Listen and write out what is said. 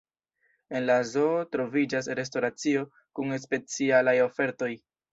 En la zoo troviĝas restoracio kun specialaj ofertoj.